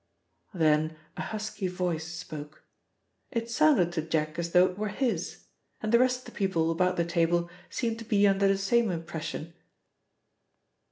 Then a husky voice spoke. It sounded to Jack as though it were his, and the rest of the people about the table seemed to be under the same impression.